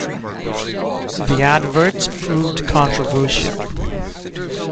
The adverts proved controversial.